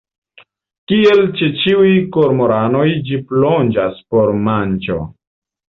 Kiel ĉe ĉiuj kormoranoj ĝi plonĝas por manĝo.